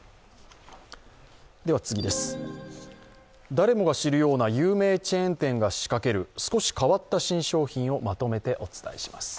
誰もが知るような有名チェーン店が仕掛ける少し変わった新商品をまとめてお伝えします。